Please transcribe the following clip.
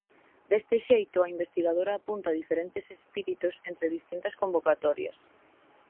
Deste xeito, a investigadora apunta diferentes espíritos entre distintas convocatorias.